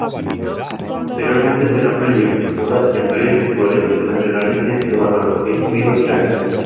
Posteriormente será proyectada en varios festivales internacionales de cinematografía, incluido Cannes.